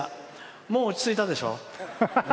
もう落ち着いたでしょ。